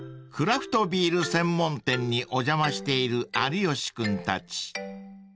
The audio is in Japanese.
［クラフトビール専門店にお邪魔している有吉君たち］